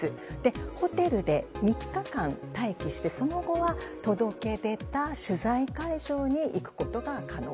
ホテルで３日間、待機してその後は届け出た取材会場に行くことが可能。